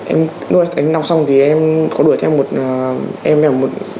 em nuôi đánh nọc xong thì em có đuổi thêm một